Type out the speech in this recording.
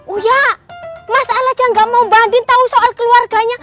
oh iya mas sal aja gak mau mbak andien tau soal keluarganya